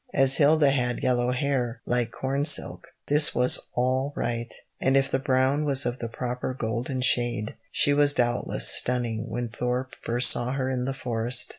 As Hilda had yellow hair, "like corn silk," this was all right, and if the brown was of the proper golden shade, she was doubtless stunning when Thorpe first saw her in the forest.